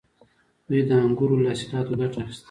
دوی د انګورو له حاصلاتو ګټه اخیسته